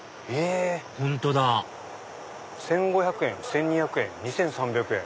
本当だ１５００円１２００円２３００円。